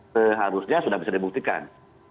seharusnya sudah bisa dibuktikan